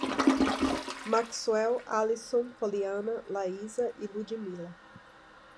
Maxuel, Alisson, Poliana, Laísa e Ludimila